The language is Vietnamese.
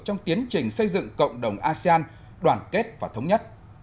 trong tiến trình xây dựng cộng đồng asean đoàn kết và thống nhất